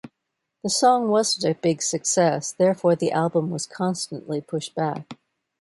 The song wasn't a big success therefore the album was constantly pushed back.